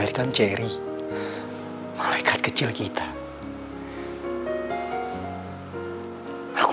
gitulah yang selalu lapar laparnya bisa kita paham